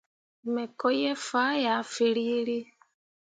Me ko ye faa yah firere.